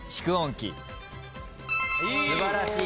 素晴らしい。